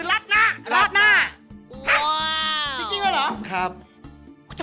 ราดหน้าฮะจริงแล้วเหรอ